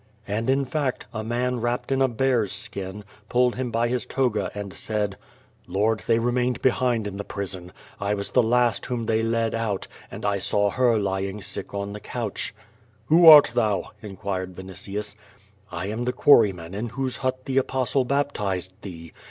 And, in fact, a man wrapped in a bear's skin, pulled him by his toga and said: 'Tjord, they remained behind in the prison. I was the last whom they led out, and I saw her lying sick on the couch/' "Who art thou?" inquired Vinitius. "I am the quarryman in whose hut the Apostle baptized thee.